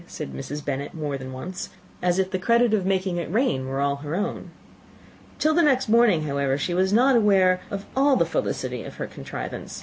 said Mrs. Bennet, more than once, as if the credit of making it rain were all her own. Till the next morning, however, she was not aware of all the felicity of her contrivance.